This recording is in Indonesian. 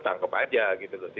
tangkap aja gitu